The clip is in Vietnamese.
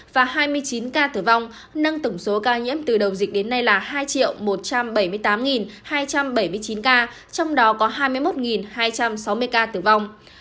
và hai mươi chín ca tử vong nâng tổng số ca nhiễm từ đầu dịch đến nay là hai một trăm bảy mươi tám hai trăm bảy mươi chín ca trong đó có hai mươi một hai trăm sáu mươi ca tử vong